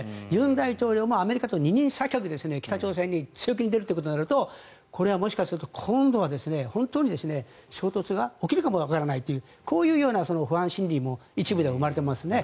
尹大統領もアメリカと二人三脚で北朝鮮に強気に出るとなるとこれはもしかしたら今度は本当に衝突が起きるかもわからないというこういうような不安心理も一部では生まれていますね。